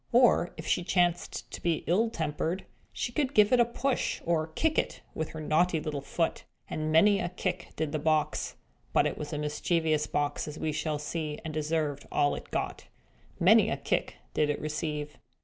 Or, if she chanced to be ill tempered, she could give it a push, or kick it with her naughty little foot. And many a kick did the box (but it was a mischievous box, as we shall see, and deserved all it got) many a kick did it receive.